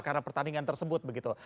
karena pertandingan tersebut begitu